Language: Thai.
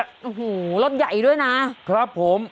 โอ้โหรถใหญ่ด้วยนะครับผม